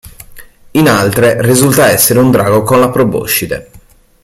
In altre risulta essere un drago con la proboscide.